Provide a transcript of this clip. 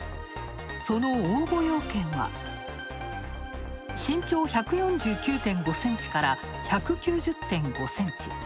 その応募要件は、身長１４９．５センチから１９０．５センチ。